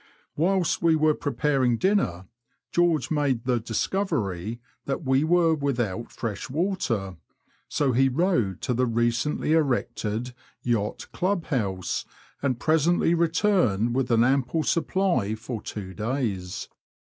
Whilst we were preparing dinner, George made the discovery that we were without fresh water, so he rowed to the recently erected Yacht Club house, and presently returned with an ample supply for two days.